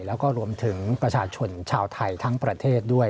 แล้วก็รวมถึงประชาชนชาวไทยทั้งประเทศด้วย